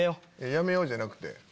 「やめよう」じゃなくて。